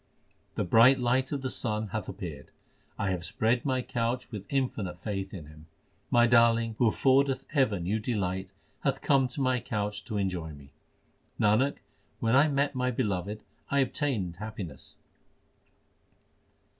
The bright light of the sun l hath appeared. I have spread my couch with infinite faith in Him. My Darling who affordeth ever new delight hath come to my couch to enjoy me. Nanak, when I met my Beloved I obtained happiness.